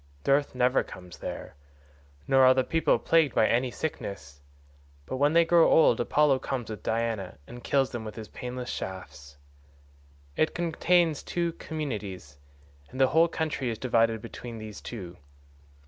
Dearth never comes there, nor are the people plagued by any sickness, but when they grow old Apollo comes with Diana and kills them with his painless shafts. It contains two communities, and the whole country is divided between these two.